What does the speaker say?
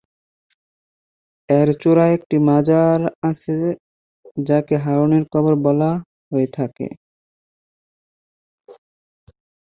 এর চূড়ায় একটি মাজার আছে যাকে হারুনের কবর বলা হয়ে থাকে।